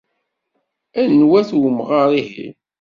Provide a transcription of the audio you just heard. Anwa-t umɣar-ihin?